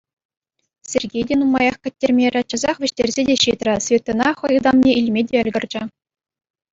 Сергей те нумаях кӗттермерӗ, часах вӗҫтерсе те ҫитрӗ, Светӑна хӑй ытамне илме те ӗлкӗрчӗ.